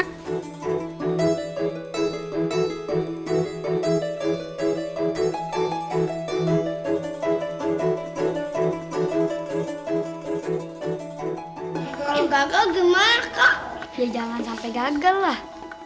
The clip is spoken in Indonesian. kalau gagal gemar ya jangan sampai gagal lah